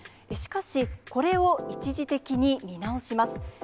しかし、これを一時的に見直します。